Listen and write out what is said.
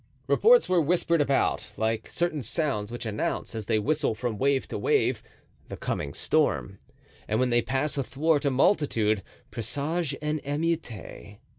Reports were whispered about, like certain sounds which announce, as they whistle from wave to wave, the coming storm—and when they pass athwart a multitude, presage an emeute.